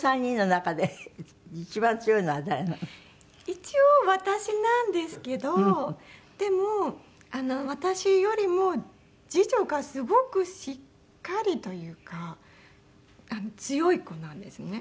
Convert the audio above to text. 一応私なんですけどでも私よりも次女がすごくしっかりというか強い子なんですね。